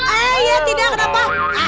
tidak tidak kenapa